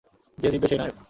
যে জিতবে সে-ই নায়ক।